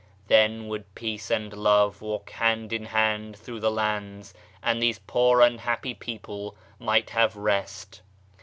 Then would Peace and Love walk hand in hand through the lands, and these poor nihappy people might have rest.